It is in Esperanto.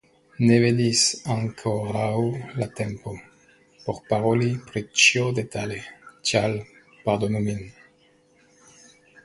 Ne venis ankoraŭ la tempo, por paroli pri ĉio detale, tial pardonu min.